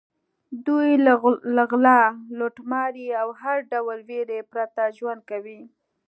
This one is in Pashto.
دوی له غلا، لوټمارۍ او هر ډول وېرې پرته ژوند کوي.